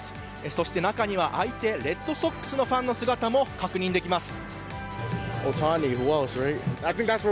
そして中には相手、レッドソックスのファンの姿も確認できます。